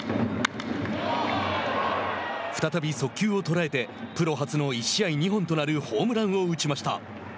再び速球を捉えてプロ初の、１試合２本となるホームランを打ちました。